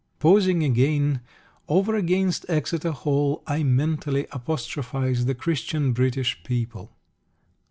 Pausing again, over against Exeter Hall, I mentally apostrophise the Christian British people.